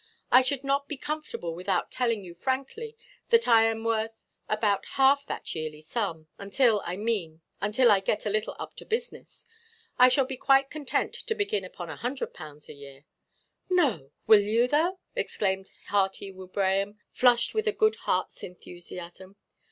"I should not be comfortable without telling you frankly that I am worth about half that yearly sum; until, I mean, until I get a little up to business. I shall be quite content to begin upon 100_l._ a year. "No! will you, though?" exclaimed Hearty Wibraham, flushed with a good heartʼs enthusiasm.